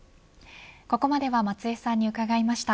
ここまでは松江さんに伺いました。